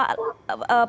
menyadarkan publik bahwa